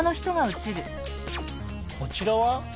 こちらは？